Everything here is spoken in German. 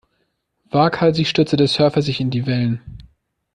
Waghalsig stürzte der Surfer sich in die Wellen.